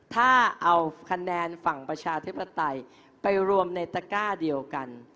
ถ้าเอาคะแนนฝั่งประชาธิปไตยไปรวมในตะก้าเดียวกัน